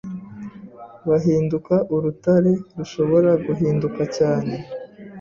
bahinduka urutare rushobora guhinduka cyane